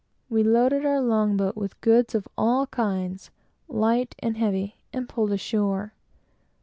We loaded our long boat with goods of all kinds, light and heavy, and pulled ashore.